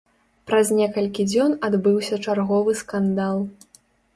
Праз некалькі дзён адбыўся чарговы скандал.